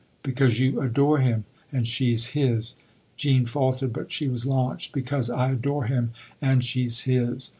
" Because you adore him and she's his ?" Jean faltered, but she was launched. " Because I adore him and she's his."